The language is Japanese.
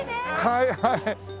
はいはい。